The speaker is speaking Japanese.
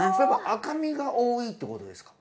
赤身が多いってことですか？